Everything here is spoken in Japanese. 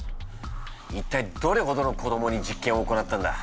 一体どれほどの子どもに実験を行ったんだ？